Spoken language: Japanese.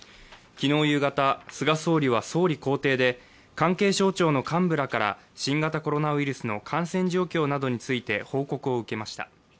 昨日夕方、菅総理は総理公邸で関係省庁の幹部らから新型コロナウイルスの感染状況などについて報告を受けました。